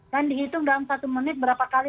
dihitung dalam satu menit berapa kali